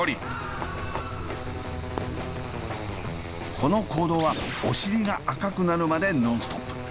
この行動はおしりが赤くなるまでノンストップ！